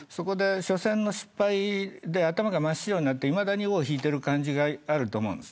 初戦の失敗で頭が真っ白になっていまだに尾を引いている感じがあります。